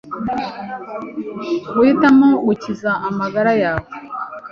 ugahitamo gukiza amagara yawe